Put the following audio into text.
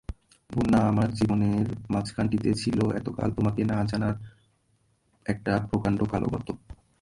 বন্যা, আমার জীবনের মাঝখানটিতে ছিল এতকাল তোমাকে-না-জানার একটা প্রকাণ্ড কালো গর্ত।